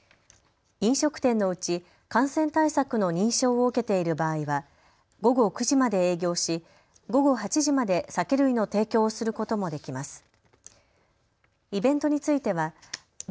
飲食店のうち感染対策の認証を受けている場合は午後９時まで営業し、午後８時まで酒類の提供をすることもできます。